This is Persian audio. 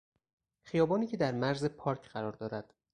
خیابانی که در مرز پارک قرار دارد